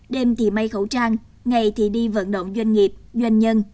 đêm thì may khẩu trang ngày thì đi vận động doanh nghiệp doanh nhân